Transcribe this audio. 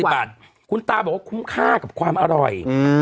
บาทคุณตาบอกว่าคุ้มค่ากับความอร่อย